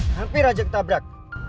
hampir ajak tabrak